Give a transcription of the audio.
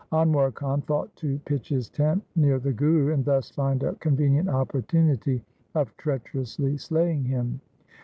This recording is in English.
Anwar Khan thought to pitch his tent near the Guru, and thus find a con venient opportunity of treacherously slaying him.